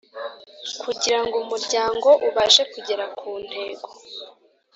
Kugirango Umuryango ubashe kugera ku ntego